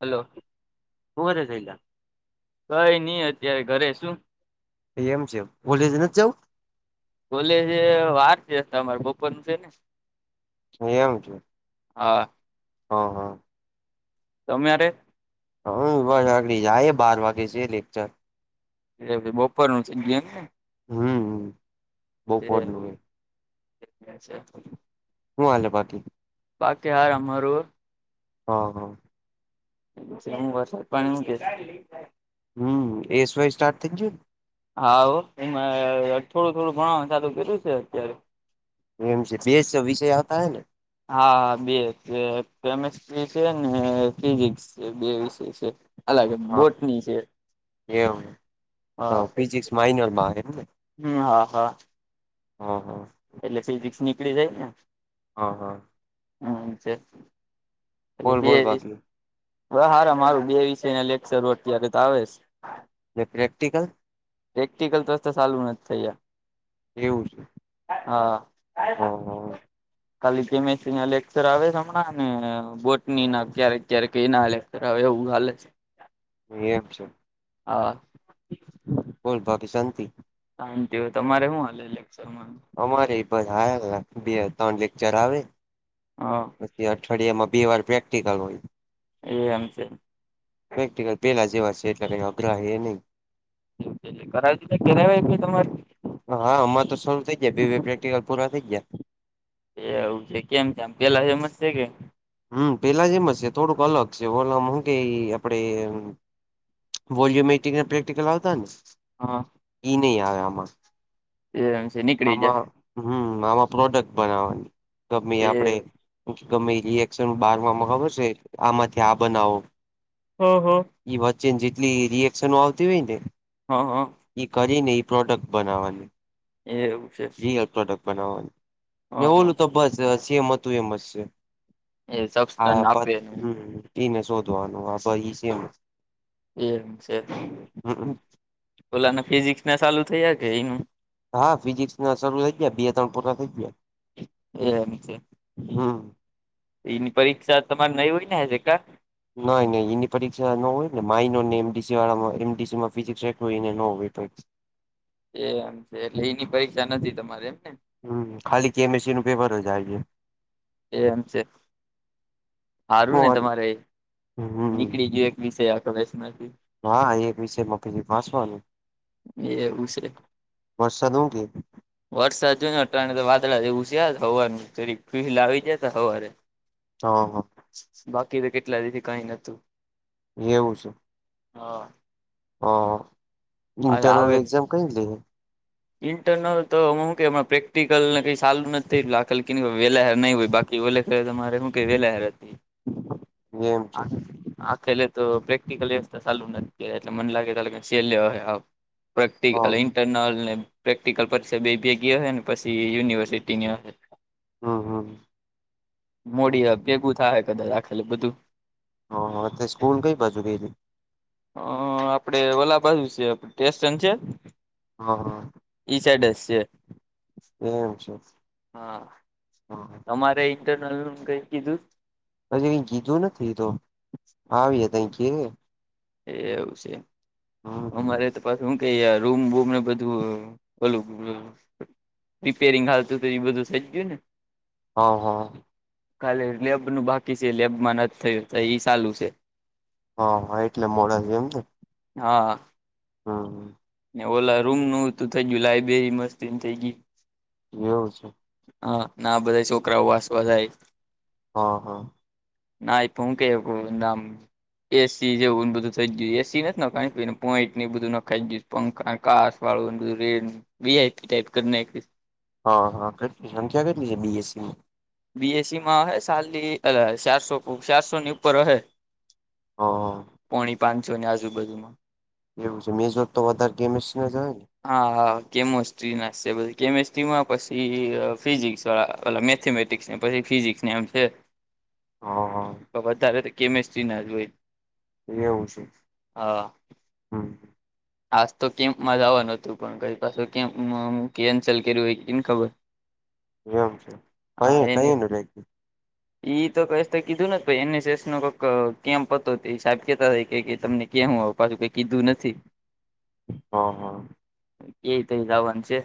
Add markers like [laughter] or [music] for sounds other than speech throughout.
Hello, કોરે સઈલા, કઈ નઈ અત્યારે ઘરે શું, એ એમ છે, કોલીજ નથી જાવું. કોલેજે વાર છે તમાર બપોર નું છે ને, એમ છ. હા, હ હા, તમ યારે, હકડી [unintelligible] જાય એ બાર વાગે છે લેકચર, એ પછી બોપર નું જ એમ કે ને, હમ, એવ બપોરનું એ. [unintelligible] છે. હું હાલલે બાકી, બાકી હાલ અમારુર, હા હા, હું વરસાદ પાણી હુ કે શ, હમ્મ એસવાય સ્ટાર્ટ થઈ ગયું? હા હો એમાં થોડું થોડું ભણાવવાનું ચાલુ કર્યું છે, અત્યારે એમ છે, બે વિષય આવતા હ ને હા, બે છે કેમેસ્ટ્રી છે, ને ફિઝિક્સ છે, બે વિષ છે. અલગ હા બોટની છે, એવું, તો હા ફિઝિક્સ માઇનરમાં એમને? હમ હા હા હહ એટલે ફિઝિક્સ નીકળી જાય હા હા. ને [inaudible] હુ બોલ બોલ બેદી બાકી બ સારા મારું બે વિષય ના લેક્ચર અત્યારે તો આવે છે. એક પ્રેક્ટિકલ પ્રેક્ટિકલ તો તો ચાલું જ થયા, એવું છે, હા હા [inaudible] [unintelligible] ખાલી કેમેસીં લેક્ચર આવે છે, હમણાં ને બોટ ની ના ક્યારેક ક્યારેક એ ના હવે એવું હાલે જ છે. એમ છે, હા, બોલ બાકી શાંતિ? શાંતિ હો, તમારે શું હાલે લેક્ચર માં અમારે બસ બે ત્રણ લેક્ચર આવે, હા, પછી અઠવાડિયામાં બે વાર પ્રેક્ટિકલ હોય, એ એમ છે, પ્રેક્ટિકલ પેલા જેવા છે, એટલે કંઈ અઘરા હે નહીં. [inaudible] કરાવી દ કેનાય તમારે હા, અમામાં તો શરૂુ થઈ ગયા પ્રેક્ટિકલ પૂરા થઈ ગયા. એ એવું છે, કેમ કેમ પેલા જેમજ છે કે? હમ્મ પેલા જે એમ જ છે, થોડુંક અલગ છે ઓલમ હું કે આપડે વોલ્યુમટ પ્રેક્ટિકલ આવતા ને હા ઈ નહી આવે આમાં એમ છે નીકળી જાહે હમ્મ આમાં પ્રોડક્ટ બનાવવાની ગમે એ આપણે ગમેઈ રીએક [unintelligible] બારમા માં ખબર છે આમાંથી આ બનાવો હ હ ઈ વચ્ચે ને જેટલી રિએક્શનો આવતી હોય ને હં હં ઈ કરીને ઈપ્રોડક્ટ બનાવવાની એવું છે રિયલ પ્રોડક્ટ બનાવવાની હ ને હ ઓલું તો બસ સેમ હતું એમ જ છે. એ સબસ્ટન આપ આપે પીને શોધવાનું આજો એમને એવુ છે હમ ઓલાને ફિઝિક્સને ચાલુ થયા કે એનું હા ફિઝિકસ ના શરૂ થઈ ગયા બે ત્રણ પૂરા થઈ ગયા. એમ છે, હમ્મ એની પરીક્ષા તમારે નઈ હોય ને હજી કા નાઈ નઈ એની પરીક્ષા ન હોય માઇનોર ને એમડીસી વાળા એમડીસી માં ફિઝિક્સ ન હોય પરી [inaudible] એ એમ છે એટલે એની પરીક્ષા નથી તમારે એમ ને હમ ખાલી કેમેંસી નું પેપર જ આઈ છે એ એમ છે હારું ને જાય તમારે હમ નીકળી ગયું એક વિષય આ કશમાંથી હા એક વિષય મા ફરી વાંચવાનું એવું છે વરસાદ હું કે વરસાદ જોય અત્રાણે તો વાદળા જે એવું શે હવારનું જરાં ફીલ આવી જાય હવારે હ હ બાકી તો કેટલા દીથી કઈ નતું એવું છે હા હ અરે ઇન્ટરનલ આવે એક્ઝામ કઈ લે ઇન્ટરનલ તો હું કે અમના પ્રેક્ટિકલ ને કઈ સારું નથી લા [unintelligible] એટલે નઈ હોય બા ઓલે ફેરે કે તમારે હું કે લહેર હતી એમ છે હા આખેલે તો પ્રેક્ટિકલએ ચાલુ નથી થયાં એટલે મને લાગેે [unintelligible] છેલ્લે હહે હાવ પ્રેક્ટિક હ [unintelligible] ઇટર્નલ ને પ્રેક્ટિકલ પક્ષા બે ભેગી હહે ને પહી યુનિવર્સિટીની હએ હમ હમ મોડી અ ભેગું થાહે કદાચ આાખેલે બધું હ તે સ્કૂલ કઈ બાજુ ક્યરી હ આપડે ઓલા બાજુ છે ટેસ્ટન છે હા હા ઈ સાઈડ હજ છે એમ છે હા હા અમારે ઇન્ટરનલ નુ કઈ કીધું પછી કઈ કીધું નથી તો આવ્યે તય કેહે એ એવું છે હમ અમારે તો પ હું ક રૂમ બૂમ ને બધું ઓલું રીપેરિંગ હાલતું તો એ બધું થઈ ગયું ને હ હા ખાલે લેબ નુ બાકી શે લેબમાં નથી થયું ઈ એ સાલું છે હ હા એટલે મોડા છે એમ ને હા હમ ઓલા રૂમ નું તું થઈ ગયું લાાઈબ્રેરી મસ્તી ની થઈ ગય એવું છે હા ના બધા છોકરાઓ વાસવા જાય હા હા ના [unintelligible] એસી જેવુંને બધું થઈ ગયું હે એસી નથી નખ [unintelligible] પોઈન્ટ એ બધું નખાઈ ગયું પંખા કાશ વાળું ને રેડ વીઆઈપી ટાઈપ કરી નાખયું છે હા હા કેટલી સંખ્યા કેટલી છે બીએસસી મા બી એસી માં હ સાલી ચારસો ચારસો ની ઉપર અહે હા હા પોણી પાંચસો ને આજુબાજુમાં એવું છે મેઝોર તો વધારે ચેમિસ્ટ્રી ના જ અહે હા કેમેસ્ટ્રી ના શે છેી કેમેસ્ટ્રીમાં પછી ફિઝિક્સ વાળા ઓલા મેથેમેટ થિક્સ પછી ફિઝિકસને એમ છે હા હા તો વધારે કેમેસ્ટ્રી ના જ હોય એવું છે હા હમ આજ તો કેપ મા જવા નહોતું પણ કઈ પાછો કેપ કેન્સલ કર્યું હોય કેને ખબર એમ છેમ હા કહી એને કહીને લે ઈ તો ક તો કીધું ન એનએસસ નો કોક કેપ હતો એ હ સાહેબ કેતા થા કે તમને ક્યાં હું આવુ. પાછું કઈ કીધું નથી હ હા. હા એ તઈ જાવાનુ છે.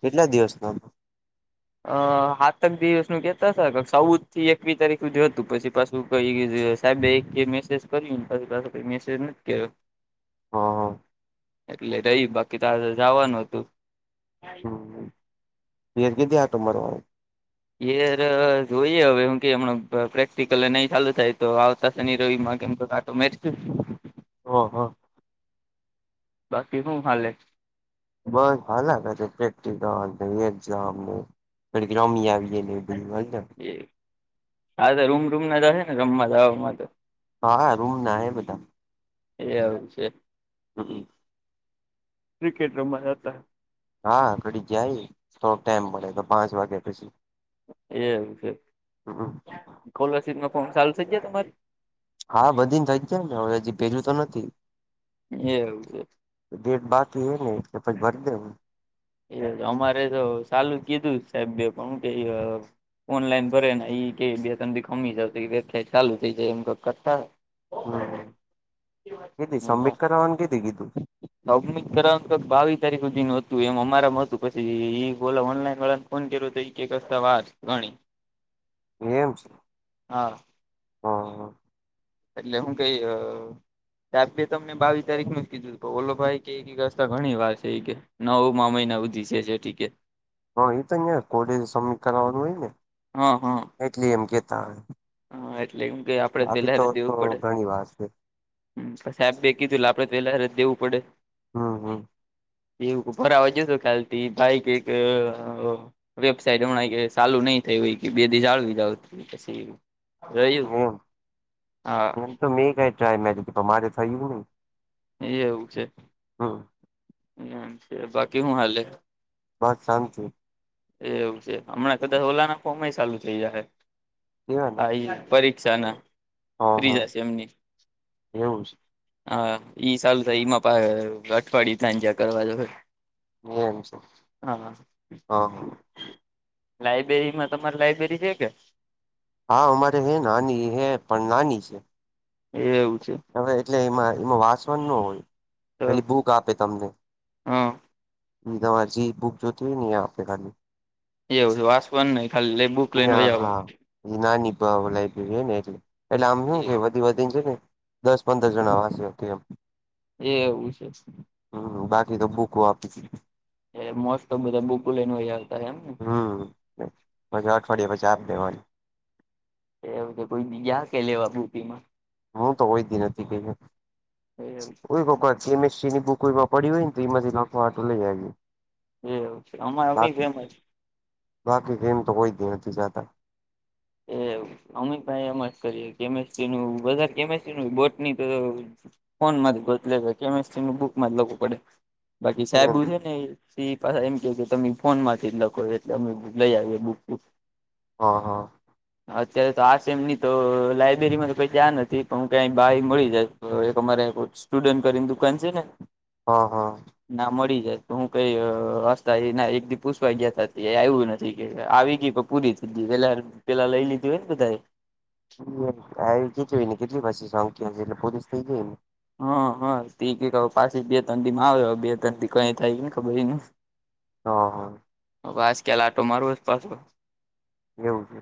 એ કેટલા દિવસના અ હાતક દિવસ નું કેતાશે સૌદ થી એકવીસ તારીખ સુધી હતું પછી પા શું કઈ દેસાહેબ બે એક મેસેજ કર્યું પા પા કઈ મેસેજ નથી આયો હા એટલે રહી બાકી તાર જવાનું હતું હમ એર કેધ આટ મારો ઈયેઘર ર જોઈએ હવે હું કેમ પ્રેક્ટિકલ નહી ચાલુ થાય તો આવતા શનિ રવિ માં કેમ તો મે હો હા બાકી હું હાલે બસ હા પ પ્રેક્ટિકલ એક્ઝામ રમી આવી યે [inaudible] હા તો રૂમ ટૂમ ના જશે ને રમમાં જવા માંટે. હા હા રૂમ ના હે બધા એ આવે છે. [inaudible] ક્રિકેટ રમવા જાતા હા ઘડી જાય તો ટાઈમ પડે તો પાંચ વાગ્યા પછી એમું કે હમ કોલરશીપ ના ફોર્મ ચાલુ થઈ ગયા તમારી હા બધી ને થઈ જાય ને હવે હજી પેરયુ તો નથી એવું છે. ડેટ બાકી એ ને કે પછ ભર દે હું એ અમારે તો ચાલું કીધું સાહેબ બે ફોમ દઈ ગયા ઓનલાઈન ભરે ને ઈ કે બે તથી કમી વેબસાયટ ચાલુ થઈ જાય એમ કરતા હમ કીધી સબમિટ કરવાનું કીતી કીધું [unintelligible] કરાવ તો બાવી તારીખ સુધી ન હતું એમ મારા મો હતું પછી એ બોલો ઓનલાઈન વાળાને ફોન કર્યો તો એક એક રસ્તા વાર ગણી એમ છે. હા હા હા એટલે હું કઈ જાતે તમને બાવીસ તારીખ નુ જ કીધું ઓલો ભાઈ કે રસ્તા ઘણી વાર છે એ કે નવ મામિના હુઘી છે જે ડીકે હ એ તો નયા કોલેજ સમીકવાનું હોય ને હા હા એટલી એમ કેતા હ હા એટલે એમ કે આપડે વેલારે દેવું પડે ઘણી વાર છે પછી સાહેબ બે કીધું આપડે પેલા દેવું પડે હા હા બે ઉપર આવાજે છે ખાલતી બાઈક એક વેબસાઇટ હમણાં ચાલુ નઈ થઈ હોય કે બે દી જાળવી જાવ પછી રહ્યું હમ હા એમ તો મેં કઈ ટાય મેમારે થયું નહી એ એવું છે. હા એમ છે બાકી હું હાલે બસ શાંતિ એ એવું છે હમણાં કદાચ ઓલા ના ફોર્મય ચાલુ થઈ જાયહે કેવાય ને હા ઈ પરીક્ષા ના હા ફ્રી હા જશ એમની એવું હા ઈ સાલુ થાય ઈમાં પાહ અઠવાડિયુ સાંજા કરવા દો [unintelligible] એમ છે હ હ લાયબેરી માં તમારે લાઈબેરી છે કે હા અમારે હે નાની હે પણ નાની છે. એવું છે. હવે એટલે એમાં એમાં વાંચવાન ન હોય તો પેલી બુક આપે તમને હા ઈ તમાર જી બુક જોતી હોય ઈ આપે ખાલી એવું છે વાસવા નહી ખાલી લેબુ ના હા નાની [unintelligible] લાઈબ્રેરી હેને એટલે એટલે આમ હું કે વધી વધીને છે ને દસ પંદર જણા વાસીહકે એમ એ એવું છે હમ્મ બાકી તો બૂકો આપી એ મોસ્ત તો બધા બુક લઈને આવતા રિયા એમને હમ્મ પછી અઠવાડિયા પછી આપ દેવાની એવું કોઈ બી ગ્યા કે લેવા બુટી માં હું તો કોઈ દી નથી ગ્યો એવું કોઈ વખત કેમેસ્ટ્રીની બુક પડી હોય તો એમાંથી લખવા હાટુ લઈ આવી એવું છે અમા અમી ફેમસ બાકી ગેમ તો કોઈ દી નથી જાતા એ અમિતભાઈ એમ જ કરીએ કેમિસ્ટ્રી નું વધાર કેમિસ્ટ્રીનું બોટ ની તો ફોન માંથી ગોત લે કેમિસ્ટ્રી નું બુક માં જ લખવું પડે બાકી એમ સાહેબુ છે ને ઈ એ પાછા એમ કે કે તમે ફોન માંથી જ લખો એટલે અમે લઈ આવીએ બુક બુક હ હ અત્યારે તો આ છે સેમની તો લાઈબેરીમાં તો કોઈ જાન નથી પણ હું કાઈ બારિ મળી જાય તો એ સોમવારે [unintelligible] સ્ટુડન્ટ કરીને દુકાન છે ને હ હ ના મળી જાય તો હું કઈ હસતા એના એક દી પૂછવા ગ્યા તા એ આયવું નથી કે આવી ગી [unintelligible] પૂરી થધી, પેલા પેલા લઈ લીધું હોય ને, બધાએ. [unintelligible] પોલીસ થઈ ગઈ ન હા હા તે કે હવે પાછી બે તન દીમાં આવે બે તન દી કઈ થાય ઈ કોને ખબર ઇને હ હ વાસ કેલા આટો મારું પા એવું છે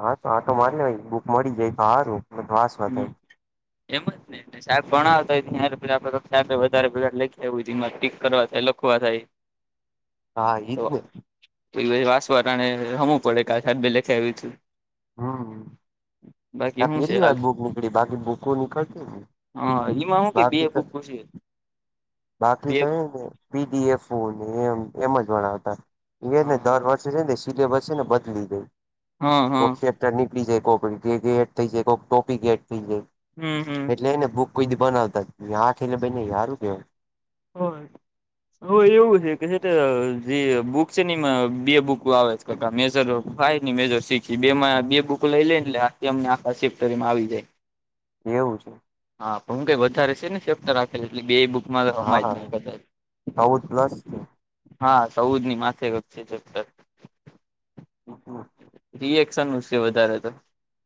હા તો આટો મારિ આઈ બુક મડી જાય તો હારું [unintelligible] હમ્મ એમજ ને લે શાક ભણાવતા આપડા વધારે પેગા લખી આવ એમાં પીક કરવા થાય લખવા થાય હા ઇજ ને તો વાસવા ટાણે હમવુ પડે કારણકે [unintelligible] હમ્મ બાકી શું પેલી છે હાલ વાર બુક નીકળી બાકી બુકો નીકળતી હા એમાં હું કે બે બાકી તો બુકો છે. બાકી બે તો હે ને પી. ડી. એફ. ઓ ને એમ એમ જ બનાવતાં એને હા દર વર્ ને સિલે [unintelligible] સીલેબસ છે ને બદલી દઈ હા હા નીકળી જાય કો એડ થઈ જાય કો ટોપીક એડ થઈ જાય હમ હમ એટલે હેને બૂક કોઈ દ [unintelligible] યારું કેવા. હએ હ એવું છે કે [unintelligible] જે બુક છે ને બે બુક આવે કકા મેજર ફાઈવ ને મેજર સિક્સ બેમાં બે બુક લઈ લેનેમ આખા સિફ્ટરીમાં આવી જાય એવું છે હા પણ હું કઈ વધારે છે ને શેક્ટર રાખેલ એટલે બે બક મારો હા ચૌદ પ્લસ છે [unintelligible] હા ચોદ ની માથે ગપ છેર હ હ રિએક્શન નુ છે વધારે તો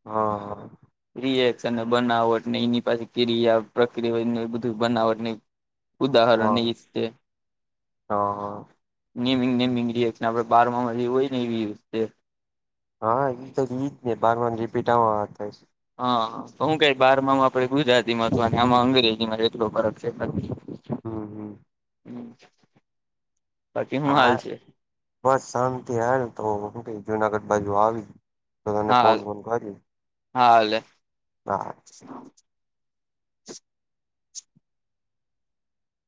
હા રિએક્શન બનાવટ ને એની પાસે ક્રિયા પ્રક્રિયાને બધું બનાવટ ઉદાહરણ હા ને ઈજ છે હા નેમિંગ નેમિંગ રએ ને આપડે બારમાં હોય ને એવીતે હા એ તોઈ ને બારમા માં રિપીટ આવવા છે હા શું કઈ બાર માં આપે ગુજરાતીમાં અથવા આમાં અંગ્રેજી માં કેટલો ફરક છે હમ્મ હમ હા બસ શાંતિ હાલ તો હૂ કે જુનાગઢ બાજુ આવી તો તને ફોન હાલ ફોન કાડિયું હાલે [inaudible]